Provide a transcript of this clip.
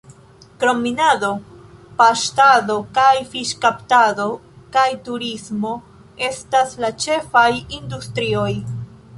Krom minado, paŝtado kaj fiŝkaptado kaj turismo estas la ĉefaj industrioj.